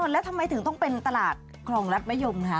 แล้วทำไมถึงต้องเป็นตลาดคลองรัฐมะยมคะ